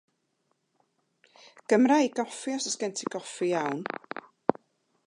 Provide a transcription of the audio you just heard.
Gymra i goffi os oes gen ti goffi iawn.